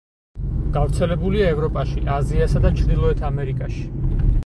გავრცელებულია ევროპაში, აზიასა და ჩრდილოეთ ამერიკაში.